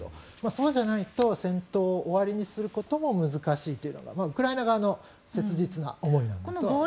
そうじゃないと戦闘を終わりにすることも難しいというのがウクライナ側の切実な思いなんです。